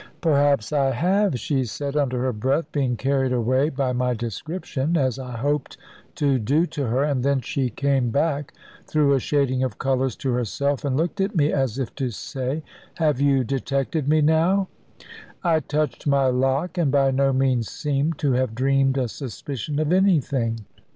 "Perhaps I have," she said, under her breath, being carried away by my description, as I hoped to do to her; and then she came back through a shading of colours to herself, and looked at me, as if to say, "Have you detected me now?" I touched my lock; and by no means seemed to have dreamed a suspicion of anything.